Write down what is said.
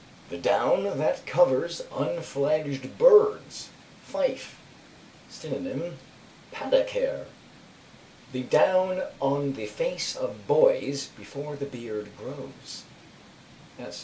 The down that covers unfledged birds (Fife); synon. Paddockhair. 2. The down on the face of boys before the beard grows (_S.